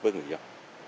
với người dân